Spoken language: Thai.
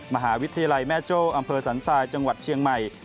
มหาวิทยาลัยแม่โจ้อำเภอสันทรายจังหวัดเชียงใหม่